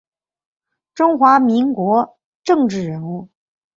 中华民国政治人物。